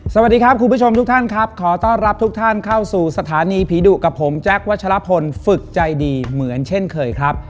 สวัสดีครับคุณผู้ชมทุกท่านครับขอต้อนรับทุกท่านเข้าสู่สถานีผีดุกับผมแจ๊ควัชลพลฝึกใจดีเหมือนเช่นเคยครับ